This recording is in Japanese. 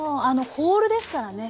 ホールですからね。